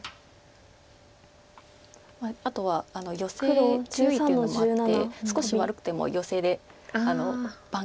あとはヨセ強いというのもあって少し悪くてもヨセで挽回できる。